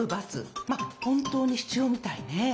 まあ本当に必要みたいね。